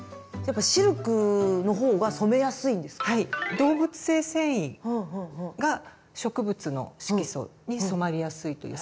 動物性繊維が植物の色素に染まりやすいという性質があります。